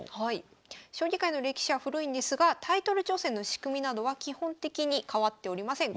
将棋界の歴史は古いんですがタイトル挑戦の仕組みなどは基本的に変わっておりません。